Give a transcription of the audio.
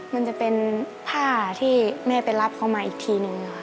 มันจะเป็นผ้าที่แม่ไปรับเขามาอีกทีนึงค่ะ